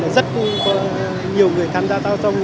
là rất nhiều người tham gia thao thông